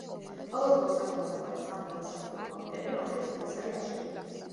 ყოველდღიურ საქმეებს აგვარებს სამხედრო-საზღვაო კომიტეტი, რომელშიც მინისტრები არ შედიან.